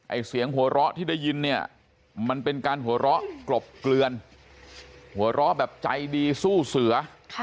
เสียงหัวเราะที่ได้ยินเนี่ยมันเป็นการหัวเราะกลบเกลือนหัวเราะแบบใจดีสู้เสือ